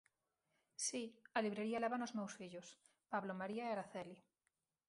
Si, a librería lévana os meus fillos, Pablo, María e Araceli.